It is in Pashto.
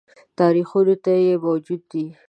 تاریخونه یې موجود دي